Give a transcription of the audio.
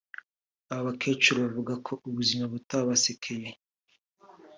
Aba bakecuru bavuga ko ubuzima butabasekeye